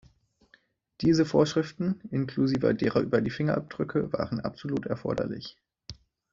Diese Vorschriften, inklusive derer über die Fingerabdrücke, waren absolut erforderlich.